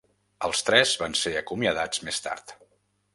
Els tres van ser acomiadats més tard.